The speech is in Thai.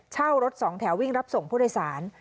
รถสองแถววิ่งรับส่งผู้โดยสาร